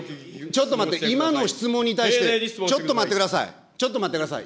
ちょっと待って、今の質問に対して。ちょっと待ってください、ちょっと待ってください。